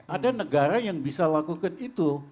ada negara yang bisa lakukan itu